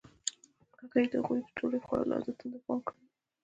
هغې د هغوی د ډوډۍ خوړلو عادتونو ته پام کړی دی.